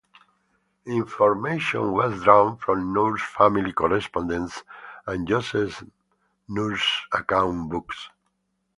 Information was drawn from Nourse family correspondence and Joseph Nourse's account books.